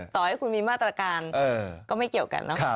ต่อให้คุณมีมาตรการก็ไม่เกี่ยวกันเนอะ